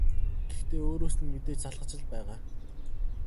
Гэхдээ өөрөөс нь мэдээж залхаж л байгаа.